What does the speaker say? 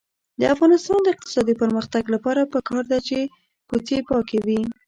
د افغانستان د اقتصادي پرمختګ لپاره پکار ده چې کوڅې پاکې وي.